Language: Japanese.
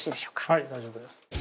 はい大丈夫です。